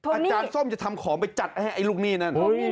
อาจารย์ส้มจะทำขอมไปจัดให้ไอลูกหนี้นั้น